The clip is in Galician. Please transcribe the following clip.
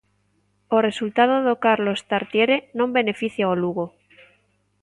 O resultado do Carlos Tartiere non beneficia o Lugo.